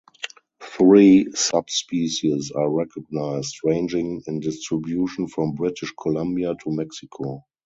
Three subspecies are recognized, ranging in distribution from British Columbia to Mexico.